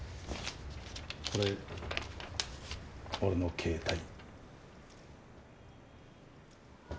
これ俺の携帯。